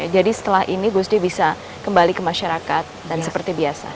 jadi setelah ini gusde bisa kembali ke masyarakat dan seperti biasa